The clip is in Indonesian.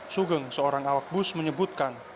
sugeng seorang awak bus menyebutkan